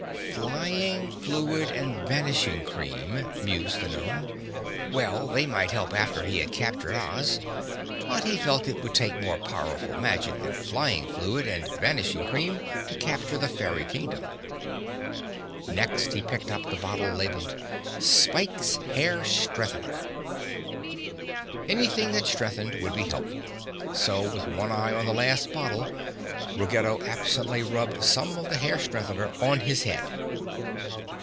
"Flying Fluid and Vanishing Cream," mused the gnome. Well, they might help after he had captured Oz, but he felt it would take more powerful magic than Flying Fluid and Vanishing Cream to capture the fairy Kingdom. Next he picked up the bottle labeled "Spike's Hair Strengthener." Anything that strengthened would be helpful, so, with one eye on the last bottle, Ruggedo absently rubbed some of the hair strengthener on his head.